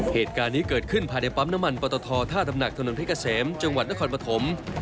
เหตุการณ์นี้เกิดขึ้นภายในปั๊มน้ำมันปตทท่าดำหนักถนนเพชรเกษมจังหวัดนครปฐม